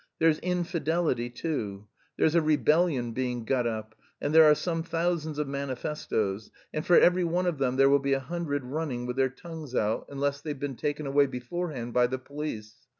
There's infidelity too. There's a rebellion being got up and there are some thousands of manifestoes, and for every one of them there will be a hundred running with their tongues out, unless they've been taken away beforehand by the police.